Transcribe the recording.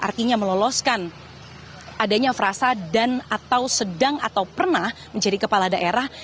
artinya meloloskan adanya frasa dan atau sedang atau pernah menjadi kepala daerah